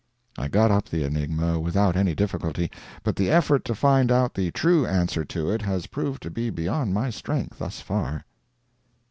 I got up the enigma without any difficulty, but the effort to find out the true answer to it has proved to be beyond my strength, thus far.